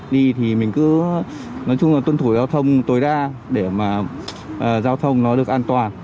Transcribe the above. đi thì mình cứ nói chung là tuân thủ giao thông tối đa để mà giao thông nó được an toàn